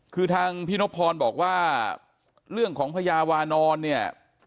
คือทางพี่นบพรบอกว่าเรื่องของพญาวานอนเนี่ย